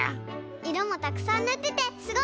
いろもたくさんぬっててすごいね。